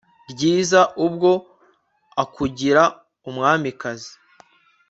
ryiza, ubwo akugira umwamikazi